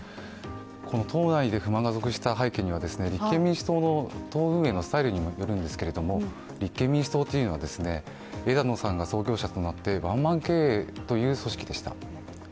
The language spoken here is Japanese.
党内で不満が続出した背景には、立憲民主党の党運営のスタイルにもよるんですけれども、立憲民主党は枝野さんが創業者になってワンマン経営という組織でした。